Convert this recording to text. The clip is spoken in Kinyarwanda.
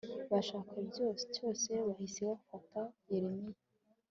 bashaka cyose Bahise bafata Yeremiya